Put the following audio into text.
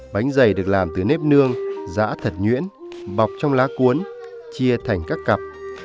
bánh dày được làm từ nếp nương giã thật nhuyễn bọc trong lá cuốn chia thành các cặp